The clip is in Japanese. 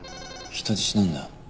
人質なんだ。